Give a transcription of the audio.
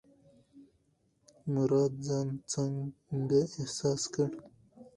مراد ځان څنګه احساس کړ؟